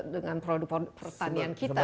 dengan produk pertanian kita